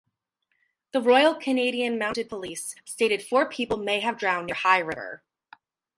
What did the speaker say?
The Royal Canadian Mounted Police stated four people may have drowned near High River.